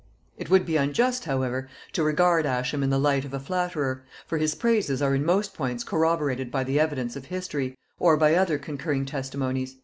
It would be unjust, however, to regard Ascham in the light of a flatterer; for his praises are in most points corroborated by the evidence of history, or by other concurring testimonies.